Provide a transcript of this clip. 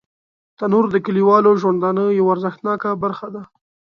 تنور د کلیوالو ژوندانه یوه ارزښتناکه برخه ده